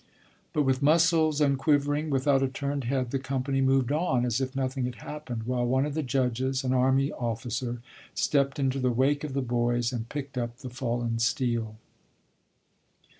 But with muscles unquivering, without a turned head, the company moved on as if nothing had happened, while one of the judges, an army officer, stepped into the wake of the boys and picked up the fallen steel.